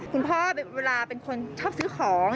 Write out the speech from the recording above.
คุณพ่อเวลาคือคนชอบซื้อของ